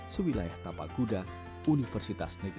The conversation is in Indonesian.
sewilayah tapa kuda universitas